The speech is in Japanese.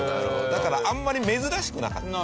だからあんまり珍しくなかった。